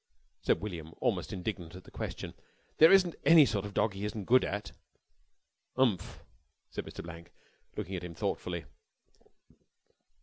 said William, almost indignant at the question. "There isn't any sort of dog he isn't good at!" "Umph," said Mr. Blank, looking at him thoughtfully.